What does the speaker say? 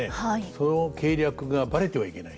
その計略がバレてはいけないと。